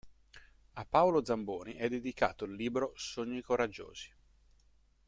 A Paolo Zamboni è dedicato il libro "Sogni coraggiosi.